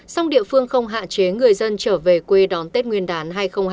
song địa phương không hạn chế người dân trở về quê đón tết nguyên đán hai nghìn hai mươi